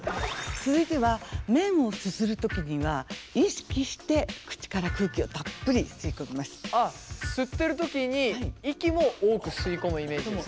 続いては麺をすする時には意識してあっすってる時に息も多く吸い込むイメージですか？